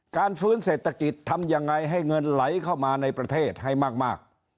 ฟื้นเศรษฐกิจทำยังไงให้เงินไหลเข้ามาในประเทศให้มาก